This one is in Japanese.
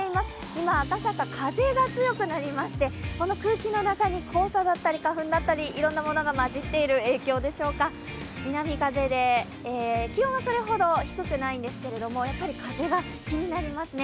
今、赤坂、風が強くなりましてこの空気の中に黄砂だったり、花粉だったりいろいろなものが混じっている影響でしょうか、南風で気温はそれほど低くないですけれどやっぱり風が気になりますね。